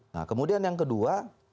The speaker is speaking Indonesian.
nah kemudian yang kedua